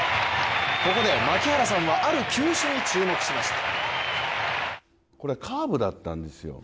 ここで槙原さんはある球種に注目しました。